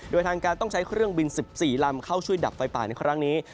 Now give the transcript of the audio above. โดยทางการต้องใช้เครื่องบิน๑๔ลำเข้าช่วยดับไฟป่าในครั้งนี้